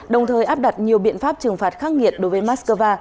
đồng thời áp đặt nhiều biện pháp trừng phạt khắc nghiệt đối với moscow